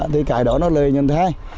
thì cái đó là lời nhận thai